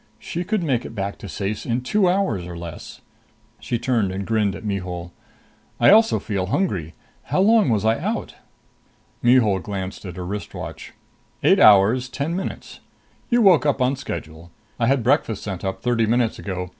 She could make it back to Ceyce in two hours or less! She turned and grinned at Mihul. "I also feel hungry. How long was I out?" Mihul glanced at her wrist watch. "Eight hours, ten minutes. You woke up on schedule. I had breakfast sent up thirty minutes ago.